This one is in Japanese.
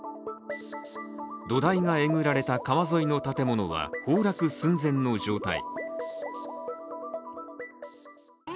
土台がえぐられた川沿いの建物は崩落寸前の状態。